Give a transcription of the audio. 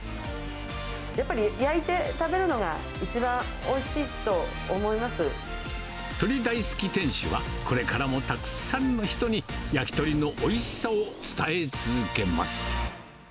やっぱり焼いて食べるのが一鶏大好き店主は、これからもたくさんの人に焼き鳥のおいしさを伝え続けます。